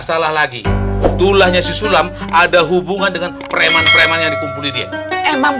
salah lagi tulahnya susulam ada hubungan dengan premat krema nyatukku li ia emang